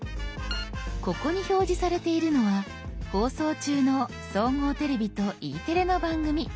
ここに表示されているのは放送中の「総合テレビ」と「Ｅテレ」の番組。